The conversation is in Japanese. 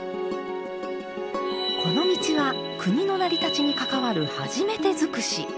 この道は国の成り立ちに関わる初めてづくし。